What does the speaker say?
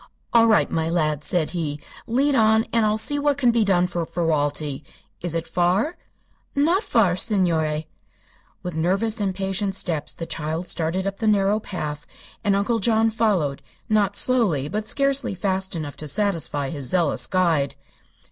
"All right, my lad," said he. "Lead on, and I'll see what can be done for Ferralti. Is it far?" "Not far, signore." With nervous, impatient steps the child started up the narrow path and Uncle John followed not slowly, but scarcely fast enough to satisfy his zealous guide.